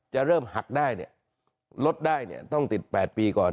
จะเริ่มหักได้ลดได้ต้องติด๘ปีก่อน